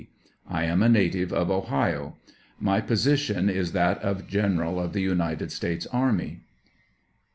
; I am a native of Ohio ; my position is that of General of the United States army.